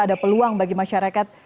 ada peluang bagi masyarakat